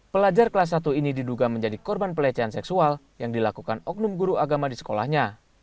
pelajar kelas satu ini diduga menjadi korban pelecehan seksual yang dilakukan oknum guru agama di sekolahnya